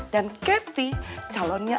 dan keti calonnya